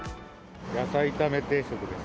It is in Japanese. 野菜炒め定食です。